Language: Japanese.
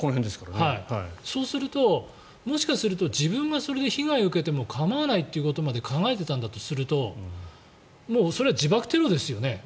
そうするともしかすると自分がそれで被害を受けても構わないということまで考えていたんだとするとそれは自爆テロですよね。